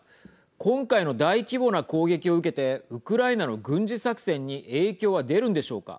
今回の大規模な攻撃を受けてウクライナの軍事作戦に影響は出るんでしょうか。